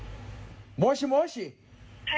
もしもし？